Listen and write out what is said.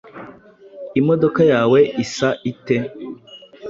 Imodoka yawe isa ite?